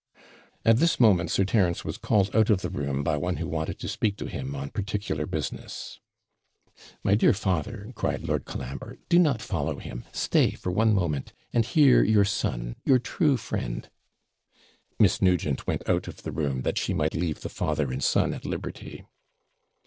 At this moment Sir Terence was called out of the room by one who wanted to speak to him on particular business. 'My dear father,' cried Lord Colambre, 'do not follow him; stay for one moment, and hear your son your true friend.' Miss Nugent went out of the room, that she might leave the father and son at liberty.